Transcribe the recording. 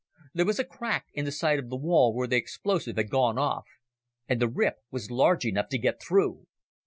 There was a crack in the side of the wall where the explosive had gone off. And the rip was large enough to get through!